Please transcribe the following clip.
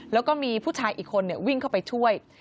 แล้วก็มีผู้ชายอีกคนวิ่งเข้าไปช่วย